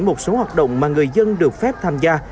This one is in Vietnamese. một số hoạt động mà người dân được phép tham gia